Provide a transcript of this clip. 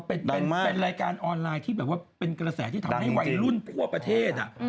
เป็นรายการออนไลน์ที่แบบว่าเป็นกระแสที่ทำให้วัยรุ่นทั่วประเทศ